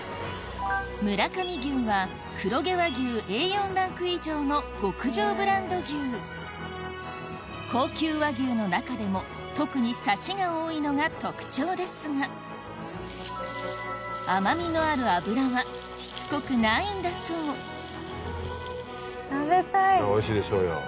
村上牛は黒毛和牛Ａ４ランク以上の極上ブランド牛高級和牛の中でも特にサシが多いのが特徴ですが甘みのある脂はしつこくないんだそう食べたい！